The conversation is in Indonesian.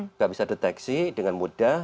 juga bisa deteksi dengan mudah